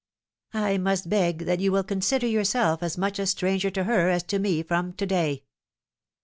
I must beg that you will consider yourself as much a stranger to her as to me from to day."